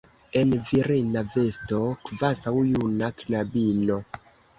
en virina vesto, kvazaŭ juna knabino.